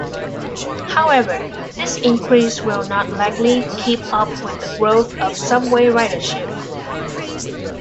However, this increase will not likely keep up with the growth of subway ridership.